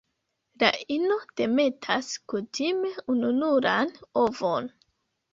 La ino demetas kutime ununuran ovon.